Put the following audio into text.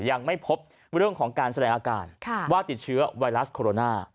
ยังไม่พบเรื่องของการแสดงอาการว่าติดเชื้อไวรัสโคโรนา